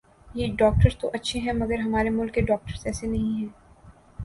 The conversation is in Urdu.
یہ ڈاکٹرز تو اچھے ھیں مگر ھمارے ملک کے ڈاکٹر ایسے نہیں ھیں